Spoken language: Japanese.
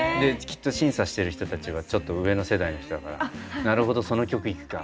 きっと審査してる人たちはちょっと上の世代の人だから「なるほどその曲いくか」。